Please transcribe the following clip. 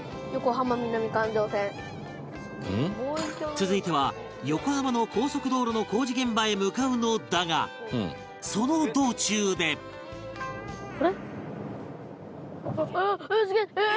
続いては横浜の高速道路の工事現場へ向かうのだがその道中であっああー！